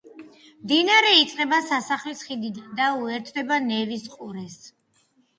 მდინარე იწყება სასახლის ხიდიდან და უერთდება ნევის ყურეს.